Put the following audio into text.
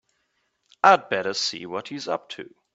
I'd better see what he's up to.